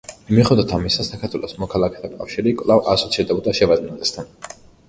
მიუხედავად ამისა, საქართველოს მოქალაქეთა კავშირი კვლავ ასოცირდებოდა შევარდნაძესთან.